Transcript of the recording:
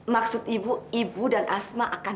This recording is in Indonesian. maksud ibu ibu dan asma akan